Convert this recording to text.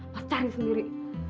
mas cari sendiri